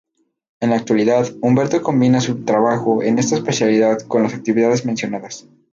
En la actualidad, Humberto combina su trabajo en esta especialidad con las actividades mencionadas.